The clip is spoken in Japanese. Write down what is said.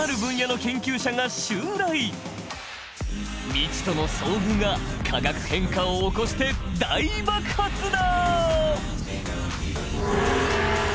未知との遭遇が化学変化を起こして大爆発だ！